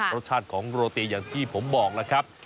รสชาติของโรตีอย่างที่ผมบอกแล้วครับ